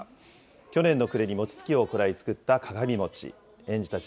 去年の暮れに餅つきを行い、作った鏡もち。